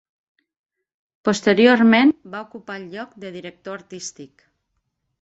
Posterior-ment va ocupar el lloc de Director Artístic.